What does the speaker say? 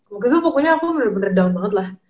makanya tuh pokoknya aku bener bener down banget lah